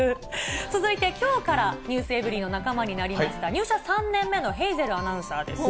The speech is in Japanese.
続いて、きょうからｎｅｗｓｅｖｅｒｙ．の仲間になりました、入社３年目のヘイゼルアナウンサーです。